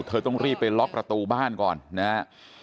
ต้องรีบไปล็อกประตูบ้านก่อนนะฮะ